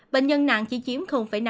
bệnh nhân nặng chỉ chiếm năm